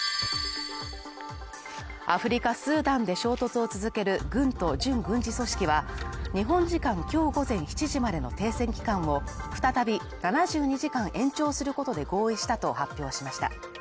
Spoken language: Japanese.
アフリカ・スーダンで衝突を続ける軍と準軍事組織は日本時間今日午前７時までの停戦期間を再び７２時間延長することで合意したと発表しました。